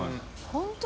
本当